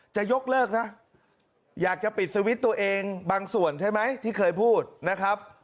จะยกเลิกซะอยากจะปิดสวิตช์ตัวเองบางส่วนใช่ไหมที่เคยพูดนะครับ